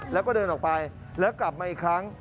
แล้วก็เดินออกไปแล้วกลับมาอีกครั้ง